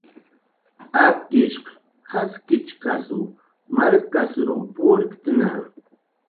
Akishq jaskichkasw markasrw purktna